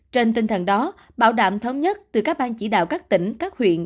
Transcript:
trên tinh thần đó bảo đảm thống nhất từ các ban chỉ đạo các tỉnh các huyện